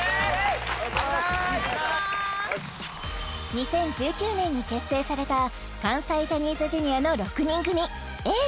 ２０１９年に結成された関西ジャニーズＪｒ．の６人組Ａぇ！